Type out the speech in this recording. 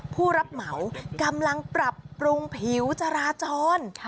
ผู้รับเหมากำลังปรับปรุงผิวจราจร